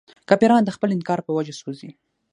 کافران د خپل انکار په وجه سوځي.